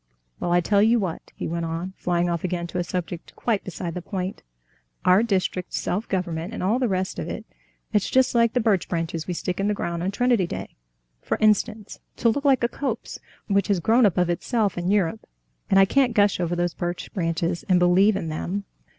Well, I tell you what," he went on, flying off again to a subject quite beside the point, "our district self government and all the rest of it—it's just like the birch branches we stick in the ground on Trinity Day, for instance, to look like a copse which has grown up of itself in Europe, and I can't gush over these birch branches and believe in them."